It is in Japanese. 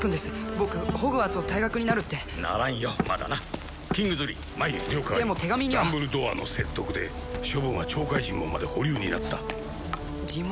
僕ホグワーツを退学になるってならんよまだなキングズリー前へ了解でも手紙にはダンブルドアの説得で処分は懲戒尋問まで保留になった尋問？